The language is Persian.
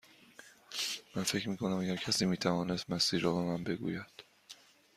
من فکر می کنم اگر کسی می توانست مسیر را به من بگوید.